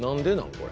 これ。